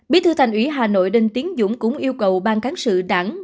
bí thư thành ủy hà nội đinh tiến dũng cũng yêu cầu ban cán sự đảng